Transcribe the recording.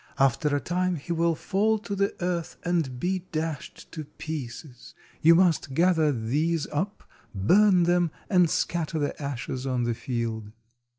After a time he will fall to the earth and be dashed to pieces. You must gather these up, burn them, and scatter the ashes on the field."